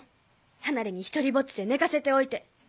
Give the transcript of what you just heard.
離れに独りぼっちで寝かせておいて。